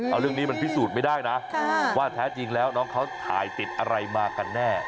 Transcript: เอาเรื่องนี้มันพิสูจน์ไม่ได้นะว่าแท้จริงแล้วน้องเขาถ่ายติดอะไรมากันแน่